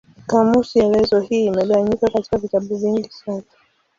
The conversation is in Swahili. Kamusi elezo hii imegawanyika katika vitabu vingi sana.